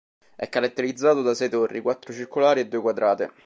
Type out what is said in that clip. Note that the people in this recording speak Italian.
È caratterizzato da sei torri, quattro circolari e due quadrate.